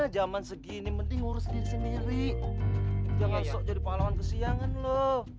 jaman segini mending urusin sendiri jangan sok jadi pahlawan kesiangan lo